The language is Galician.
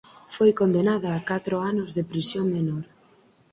Foi condenada a catro anos de prisión menor.